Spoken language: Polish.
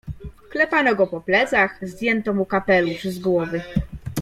"Klepano go po plecach, zdjęto mu kapelusz z głowy."